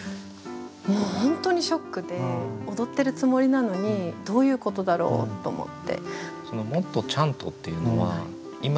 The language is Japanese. もう本当にショックで踊ってるつもりなのにどういうことだろう？と思って。